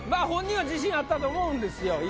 本人は自信あったと思うんですよ。